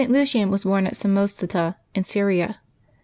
Lucian was born at Samosata in Syria.